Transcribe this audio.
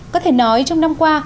có thể nói trong năm qua